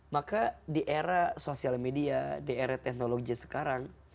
maka di era sosial media di era teknologi sekarang